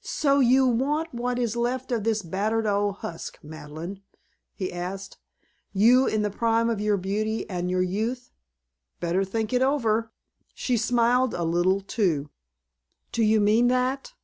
"So you want what is left of this battered old husk, Madeleine?" he asked. "You in the prime of your beauty and your youth! Better think it over." She smiled a little, too. "Do you mean that?"